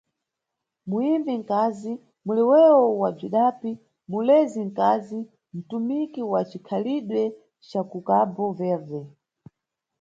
Muyimbi nkazi, muleweo wa bzwidapi, mulezi nkazi, "ntumiki" wa cikhalidwe ca kuCabo Verde.